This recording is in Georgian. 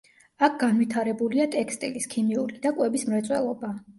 აქ განვითარებულია ტექსტილის, ქიმიური და კვების მრეწველობა.